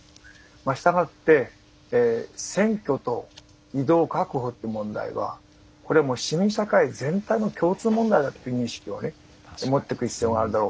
したがって選挙と移動確保という問題はこれはもう市民社会全体の共通問題だという認識を持っておく必要があるだろうと。